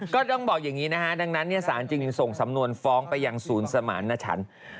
ก็ต้องบอกอย่างนี้นะฮะดังนั้นสารจึงส่งสำนวนฟ้องไปยังศูนย์สมารณชัน